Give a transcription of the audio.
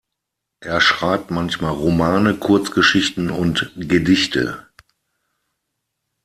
Er schreibt manchmal Romane, Kurzgeschichten und Gedichte.